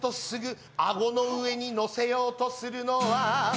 「すぐ顎の上に載せようとするのは」